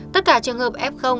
tất cả trường hợp f